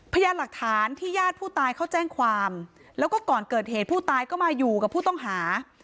พยานหลักฐานที่ญาติผู้ตายเขาแจ้งความแล้วก็ก่อนเกิดเหตุผู้ตายก็มาอยู่กับผู้ต้องหา